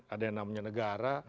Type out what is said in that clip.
ada yang namanya negara